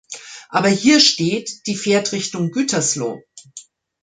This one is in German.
Aber hier steht, die fährt Richtung Gütersloh.